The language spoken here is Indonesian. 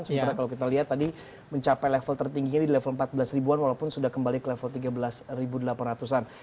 sementara kalau kita lihat tadi mencapai level tertingginya di level empat belas ribuan walaupun sudah kembali ke level tiga belas delapan ratus an